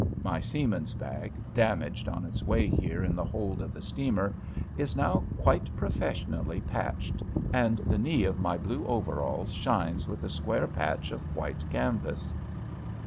My seaman's bag, damaged on its way here in the hold of the steamer, is now quite professionally patched, and the knee of my blue overalls shines with a square patch of white canvas.